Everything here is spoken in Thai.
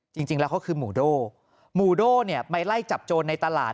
จริงแล้วเขาคือหมูโด่หมู่โด่เนี่ยไปไล่จับโจรในตลาด